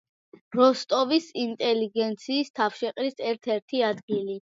როსტოვის ინტელიგენციის თავშეყრის ერთ-ერთი ადგილი.